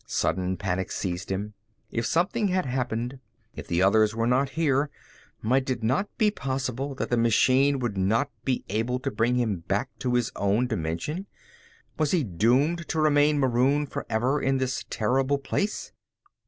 Sudden panic seized him. If something had happened, if the others were not here, might it not be possible that the machine would not be able to bring him back to his own dimension? Was he doomed to remain marooned forever in this terrible plane?